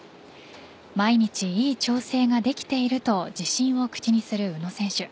毎日いい調整ができていると自信を口にする宇野選手。